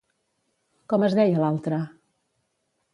Com es deia l'altre?